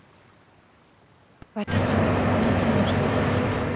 私はここに住む人。